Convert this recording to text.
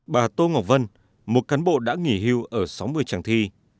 bà tô ngọc vân một cán bộ đã nghỉ hưu ở sáu mươi tràng thi